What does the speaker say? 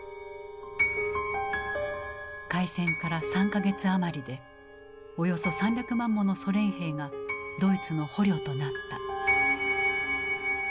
開戦から３か月余りでおよそ３００万ものソ連兵がドイツの捕虜となった。